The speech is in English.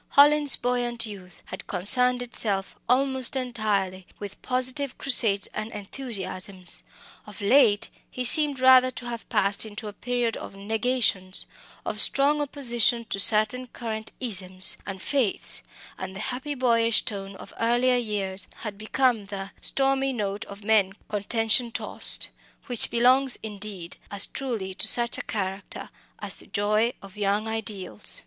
Hallin's buoyant youth had concerned itself almost entirely with positive crusades and enthusiasms. Of late he seemed rather to have passed into a period of negations, of strong opposition to certain current isms and faiths; and the happy boyish tone of earlier years had become the "stormy note of men contention tost," which belongs, indeed, as truly to such a character as the joy of young ideals.